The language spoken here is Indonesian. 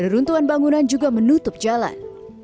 reruntuhan bangunan juga menutup jalan